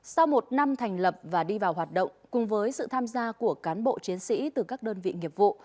sau một năm thành lập và đi vào hoạt động cùng với sự tham gia của cán bộ chiến sĩ từ các đơn vị nghiệp vụ